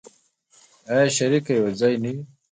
آیا شریک او یوځای نه وي؟